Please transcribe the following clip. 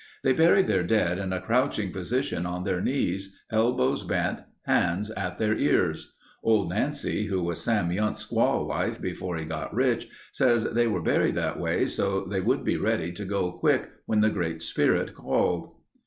"They buried their dead in a crouching position on their knees, elbows bent, hands at their ears. Old Nancy, who was Sam Yundt's squaw wife before he got rich, says they were buried that way so they would be ready to go quick when the Great Spirit called."